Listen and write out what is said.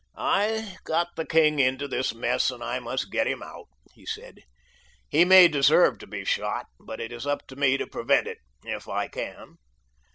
"I got the king into this mess and I must get him out," he said. "He may deserve to be shot, but it is up to me to prevent it, if I can.